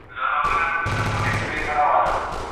هر وخت نوي شیان تجربه کړئ.